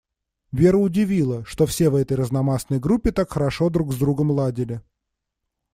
Веру удивило, что все в этой разномастной группе так хорошо друг с другом ладили.